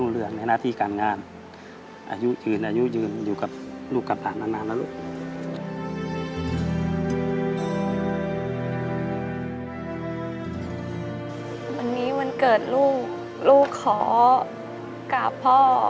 วันนี้วันเกิดลูกลูกขอกราบพ่อ